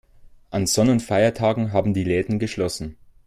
An Sonn- und Feiertagen haben die Läden geschlossen.